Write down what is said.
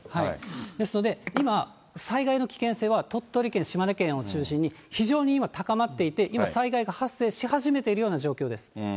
ですので、今、災害の危険性は鳥取県、島根県を中心に、非常に今、高まっていて、今、災害が発生し始めているような状況です。